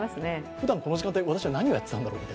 ふだん、この時間帯私は何をやってたんだろうって。